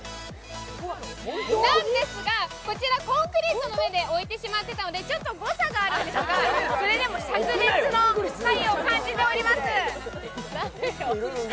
なんですがこちらコンクリートの上に置いてしまっていたのでちょっと誤差があるんですが、それでもしゃく熱の太陽を感じております。